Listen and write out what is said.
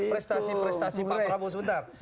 prestasi prestasi pak prabowo sebentar